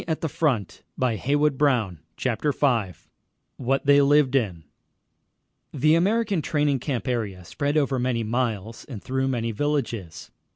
But to get on to the training camps CHAPTER V WHAT THEY LIVED IN The American training camp area spread over many miles and through many villages.